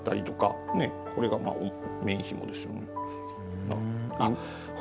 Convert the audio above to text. これが面ひもですよね。